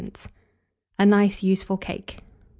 A NICE USEFUL CAKE.